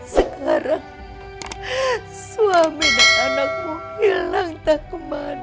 sekarang suami dan anakmu hilang entah kemana